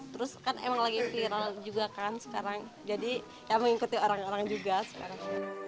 terus kan emang lagi viral juga kan sekarang jadi ya mengikuti orang orang juga sekarang